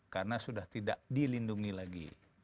karena sudah tidak dilindungi lagi